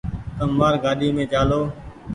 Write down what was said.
تم مآر گآڏي مين چآلو ۔